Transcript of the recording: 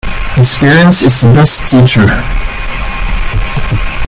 Experience is the best teacher.